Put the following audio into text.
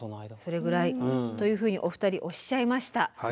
それぐらいというふうにお二人おっしゃいました。